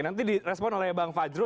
nanti di respon oleh bang fajrul